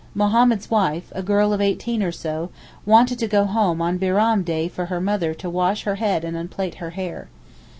Mohammed's wife, a girl of eighteen or so, wanted to go home on Bairam day for her mother to wash her head and unplait her hair.